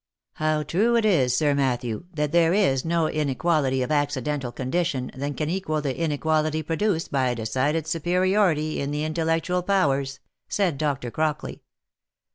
" How true it is, Sir Matthew, that there is no inequality of acci dental condition than can equal the inequality produced by a decided superiority in the intellectual powers," said Dr. Crockley.